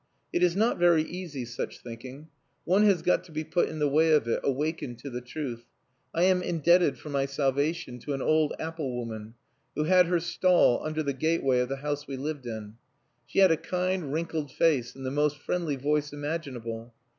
It is not very easy, such thinking. One has got to be put in the way of it, awakened to the truth. I am indebted for my salvation to an old apple woman, who had her stall under the gateway of the house we lived in. She had a kind wrinkled face, and the most friendly voice imaginable.